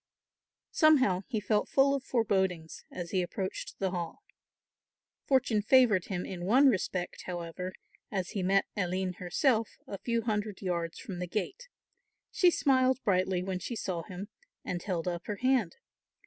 Somehow he felt full of forebodings as he approached the Hall. Fortune favoured him in one respect, however, as he met Aline herself a few hundred yards from the gate. She smiled brightly when she saw him, and held up her hand.